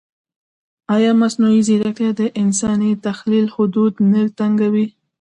ایا مصنوعي ځیرکتیا د انساني تخیل حدود نه تنګوي؟